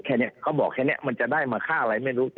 แค่นี้เขาบอกแค่นี้มันจะได้มาค่าอะไรไม่รู้